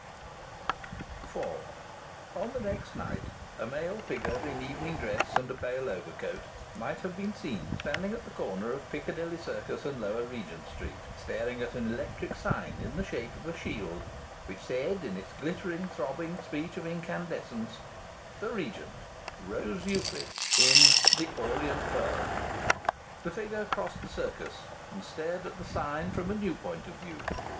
IV On the next night a male figure in evening dress and a pale overcoat might have been seen standing at the corner of Piccadilly Circus and Lower Regent Street, staring at an electric sign in the shape of a shield which said, in its glittering, throbbing speech of incandescence: THE REGENT ROSE EUCLID IN "THE ORIENT PEARL" The figure crossed the Circus, and stared at the sign from a new point of view.